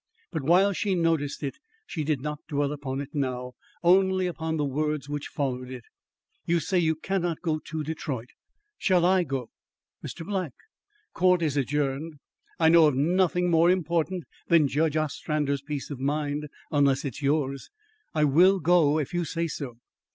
But, while she noticed it, she did not dwell upon it now, only upon the words which followed it. "You say you cannot go to Detroit. Shall I go?" "Mr. Black!" "Court is adjourned. I know of nothing more important than Judge Ostrander's peace of mind unless it is yours. I will go if you say so."